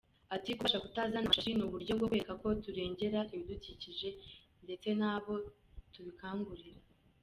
Ati “Kubasaba kutazana amashashi ni uburyo bwo kubereka ko turengera ibidukikije ndetse nabo tubibakangurira.